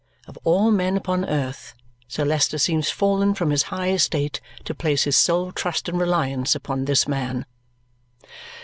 Of all men upon earth, Sir Leicester seems fallen from his high estate to place his sole trust and reliance upon this man.